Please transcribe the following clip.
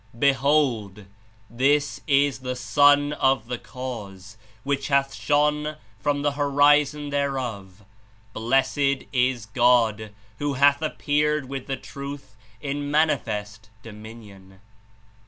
"Behold! This is the Sun of the Cause, which hath shone from the Horizon thereof. Blessed is God, who hath appeared with the Truth in manifest dominion."